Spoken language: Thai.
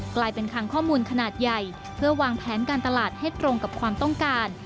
กลายเป็นคังข้อมูลขนาดใหญ่เพื่อวางแผนการตลาดให้ตรงกับความต้องการ